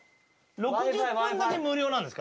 ６０分だけ無料なんですか？